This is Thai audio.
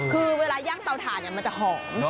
คือเวลาย่างเตาถ่านมันจะหอม